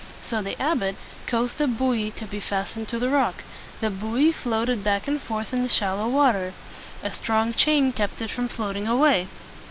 So the abbot caused a buoy to be fastened to the rock. The buoy floated back and forth in the shallow water. A strong chain kept it from floating away.